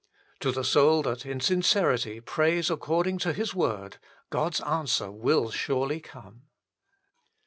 To the soul that in sincerity prays accord ing to His Word, God s answer will surely come.